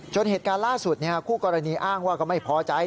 เหตุการณ์ล่าสุดคู่กรณีอ้างว่าก็ไม่พอใจ